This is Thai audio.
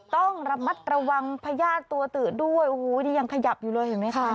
ต้องระมัดระวังพญาติตัวตืดด้วยโอ้โหนี่ยังขยับอยู่เลยเห็นไหมคะ